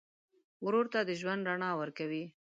ورور ته د ژوند رڼا ورکوې.